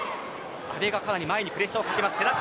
阿部がかなりのプレッシャーをかけます。